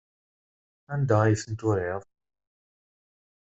Anda ay ten-turiḍ?